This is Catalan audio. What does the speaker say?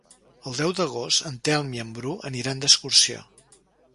El deu d'agost en Telm i en Bru aniran d'excursió.